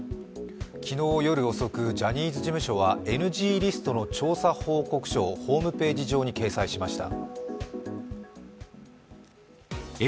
昨日夜遅く、ジャニーズ事務所はＮＧリストの調査報告書をホームページ上に掲載しました。